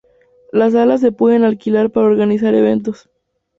Las salas se pueden alquilar para organizar eventos.